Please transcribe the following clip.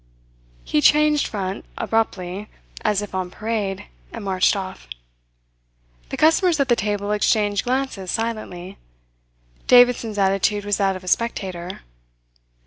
He changed front abruptly, as if on parade, and marched off. The customers at the table exchanged glances silently. Davidson's attitude was that of a spectator.